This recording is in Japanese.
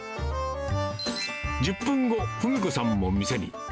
１０分後、文子さんも店に。